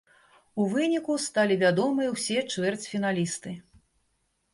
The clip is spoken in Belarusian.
У выніку, сталі вядомыя ўсе чвэрцьфіналісты.